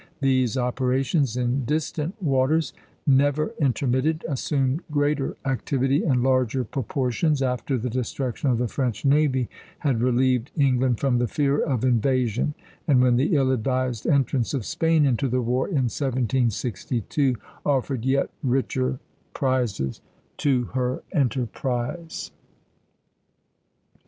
These operations in distant waters, never intermitted, assumed greater activity and larger proportions after the destruction of the French navy had relieved England from the fear of invasion, and when the ill advised entrance of Spain into the war, in 1762, offered yet richer prizes to her enterprise.